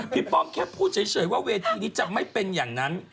ป้อมแค่พูดเฉยว่าเวทีนี้จะไม่เป็นอย่างนั้น